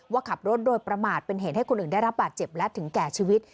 ว่าขับรถโดยประมาทเป็นเหตุให้คนอื่นได้รับบาดเจ็บและถึงแก่ชีวิต